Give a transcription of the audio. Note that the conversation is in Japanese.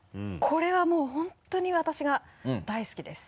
これはもう本当に私が大好きです。